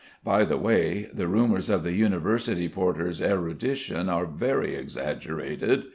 By the way, the rumours of the university porter's erudition are very exaggerated.